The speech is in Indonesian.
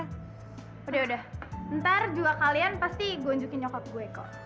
udah udah ntar juga kalian pasti gue njokap lo